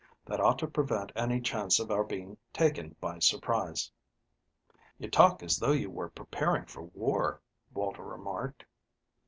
That ought to prevent any chance of our being taken by surprise." "You talk as though you were preparing for war," Walter remarked.